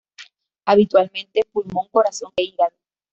Habitualmente pulmón, corazón e hígado.